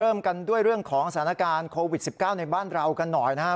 เริ่มกันด้วยเรื่องของสถานการณ์โควิด๑๙ในบ้านเรากันหน่อยนะครับ